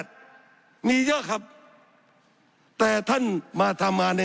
สับขาหลอกกันไปสับขาหลอกกันไป